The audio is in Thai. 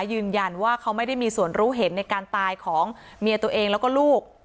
ยืนยันว่าเขาไม่ได้มีส่วนรู้เห็นในการตายของเมียตัวเองแล้วก็ลูก